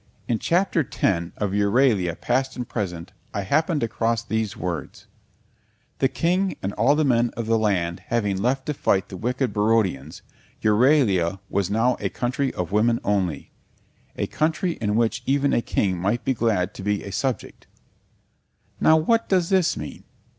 In Chapter X of Euralia Past and Present I happened across these words: "The King and all the men of the land having left to fight the wicked Barodians, Euralia was now a country of women only a country in which even a King might be glad to be a subject." Now what does this mean?